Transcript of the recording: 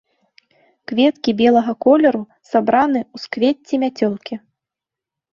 Кветкі белага колеру сабраны ў суквецці-мяцёлкі.